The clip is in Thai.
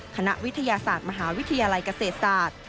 คณะวิทยาศาสตร์มหาวิทยาลัยเกษตรศาสตร์